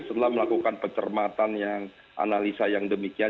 setelah melakukan pencermatan yang analisa yang demikian